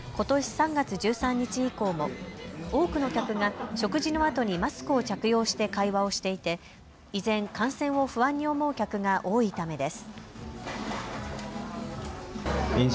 ３月１３日以降も多くの客が食事のあとにマスクを着用して会話をしていて依然、感染を不安に思う客が多いためです。